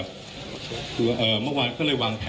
คุณผู้ชมไปฟังผู้ว่ารัฐกาลจังหวัดเชียงรายแถลงตอนนี้ค่ะ